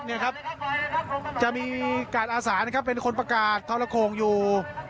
เนี่ยครับจะมีกาดอาสานะครับเป็นคนประกาศทรโขงอยู่